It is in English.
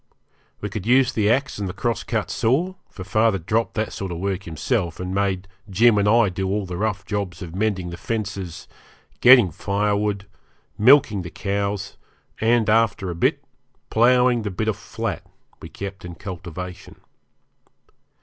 We could use the axe and the cross cut saw, for father dropped that sort of work himself, and made Jim and I do all the rough jobs of mending the fences, getting firewood, milking the cows, and, after a bit, ploughing the bit of flat we kept in cultivation.